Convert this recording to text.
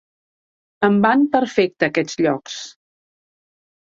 Em van perfecte, aquests llocs.